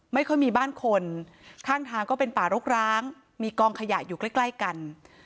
ไม่ค่อยมีบ้านคนข้างทางก็เป็นป่ารกร้างมีกองขยะอยู่ใกล้ใกล้กัน